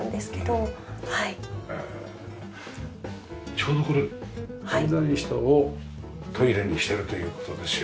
ちょうどこれ階段下をトイレにしてるという事ですよ。